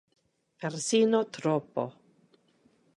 Persino troppo.